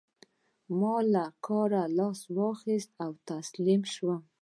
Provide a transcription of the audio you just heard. ما له کاره لاس واخيست او تسليم شوم.